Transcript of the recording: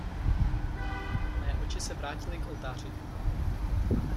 Mé oči se vrátily k oltáři.